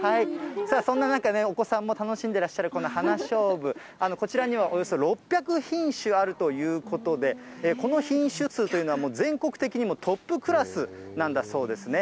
そんな中ね、お子さんも楽しんでらっしゃるこの花しょうぶ、こちらにはおよそ６００品種あるということで、この品種数というのは、全国的にもトップクラスなんだそうですね。